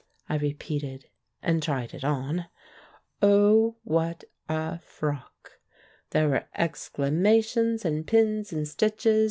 I repeated — and tried it on. Oh, what a frock! There were exclamations, and pins, and stitches.